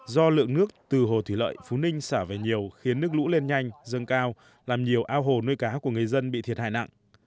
do lượng nước từ hồ thủy lợi phú ninh xả về nhiều khiến nước lũ lên nhanh dâng cao làm nhiều ao hồ nuôi cá của người dân bị thiệt hại nặng